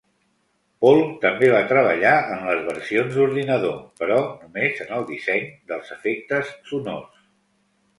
Paul també va treballar en les versions d'ordinador però només en el disseny dels efectes sonors.